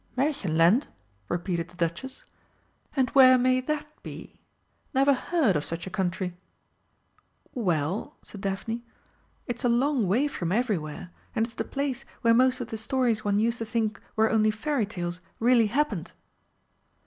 "Märchenland?" repeated the Duchess. "And where may that be? Never heard of such a country!" "Well," said Daphne, "it's a long way from everywhere, and it's the place where most of the stories one used to think were only Fairy Tales really happened."